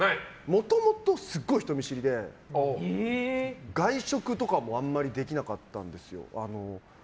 もともと、すごい人見知りで外食とかもあんまりできなかったんですよ。